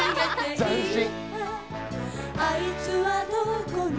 斬新。